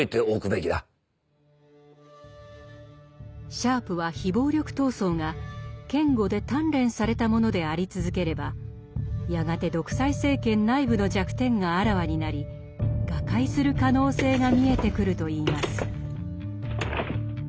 シャープは非暴力闘争が堅固で鍛錬されたものであり続ければやがて独裁政権内部の弱点があらわになり瓦解する可能性が見えてくるといいます。